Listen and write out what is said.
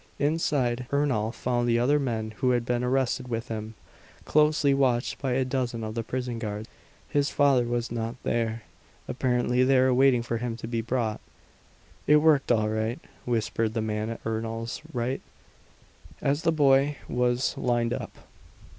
Inside, Ernol found the other men who had been arrested with him, closely watched by a dozen of the prison guards. His father was not there; apparently they were waiting for him to be brought. "It worked all right," whispered the man at Ernol's right, as the boy was lined up.